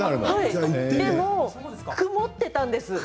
でも曇っていたんです。